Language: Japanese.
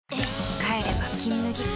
帰れば「金麦」わ！